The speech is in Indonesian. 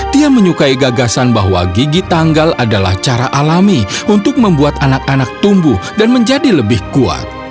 tia menyukai gagasan bahwa gigi tanggal adalah cara alami untuk membuat anak anak tumbuh dan menjadi lebih kuat